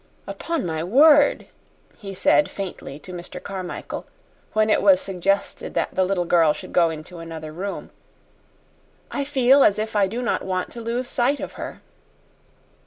"Upon my word," he said faintly to Mr. Carmichael, when it was suggested that the little girl should go into another room. "I feel as if I do not want to lose sight of her."